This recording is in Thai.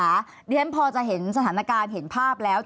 แน่ใจพอจะเห็นสถานการณ์เห็นภาพแล้ว